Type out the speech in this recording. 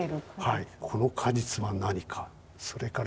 この果実は何か。